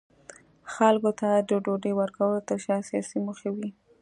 خلکو ته د ډوډۍ ورکولو ترشا سیاسي موخې وې.